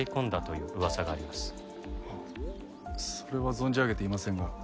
それは存じ上げていませんが。